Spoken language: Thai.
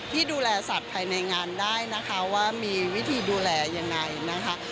ที่ดูแลสัตว์ภายในงานได้นะคะว่ามีวิธีดูแลยังไงนะคะ